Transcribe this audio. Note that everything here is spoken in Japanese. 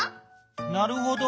なるほど。